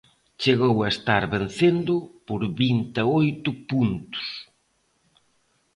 Chegou a estar vencendo por vinte e oito puntos.